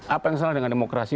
apa yang salah dengan demokrasi